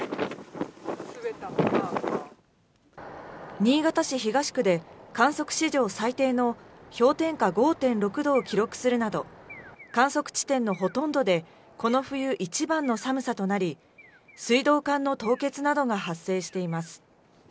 新潟市東区で観測史上最低の氷点下５．６度を記録するなど、観測地点のほとんどで、この冬一番の寒さとなり、水道管の凍結などが発生しています。